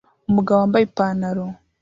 Umugabo wambaye ipantaro